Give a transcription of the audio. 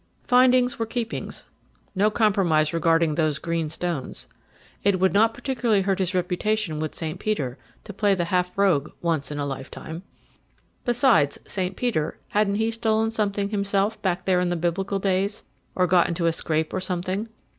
Findings were keepings. No compromise regarding those green stones. It would not particularly hurt his reputation with St. Peter to play the half rogue once in a lifetime. Besides, St. Peter, hadn't he stolen something himself back there in the Biblical days; or got into a scrape or something?